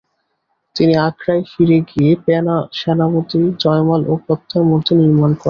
তিনি আগ্রায় ফিরে গিয়ে সেনাপতি জয়মাল ও পত্তার মুর্তি নির্মান করান।